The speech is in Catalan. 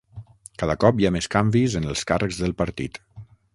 Cada cop hi ha més canvis en els càrrecs del partit